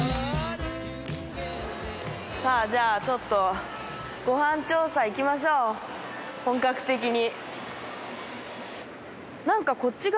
さあじゃあちょっとご飯調査いきましょう本格的に。